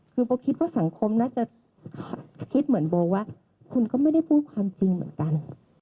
คือโบคิดว่าสังคมน่าจะคิดเหมือนโบว่าคุณก็ไม่ได้พูดความจริงเหมือนกัน